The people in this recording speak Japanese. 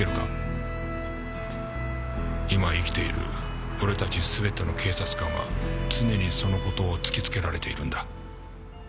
今生きている俺たち全ての警察官は常にその事を突きつけられているんだ。